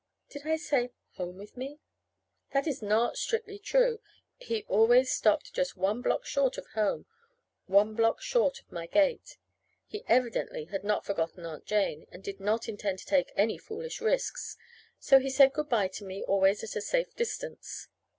Did I say "home with me"? That is not strictly true he always stopped just one block short of "home" one block short of my gate. He evidently had not forgotten Aunt Jane, and did not intend to take any foolish risks! So he said good bye to me always at a safe distance.